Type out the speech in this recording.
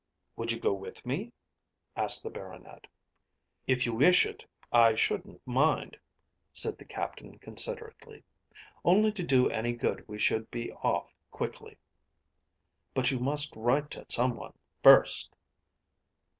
"Would you go with me?" asked the Baronet. "If you wish it I shouldn't mind," said the Captain considerately. "Only to do any good we should be off quickly. But you must write to some one first."